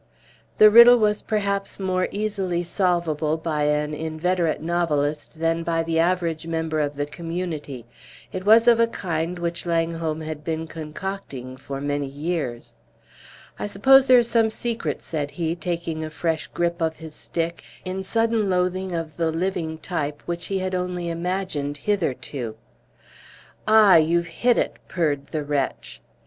The riddle was perhaps more easily solvable by an inveterate novelist than by the average member of the community. It was of a kind which Langholm had been concocting for many years. "I suppose there is some secret," said he, taking a fresh grip of his stick, in sudden loathing of the living type which he had only imagined hitherto. "Ah! You've hit it," purred the wretch.